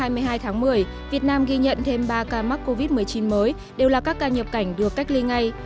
tính đến một mươi tám h ngày hai mươi hai tháng một mươi việt nam ghi nhận thêm ba ca mắc covid một mươi chín mới đều là các ca nhập cảnh được cách ly ngay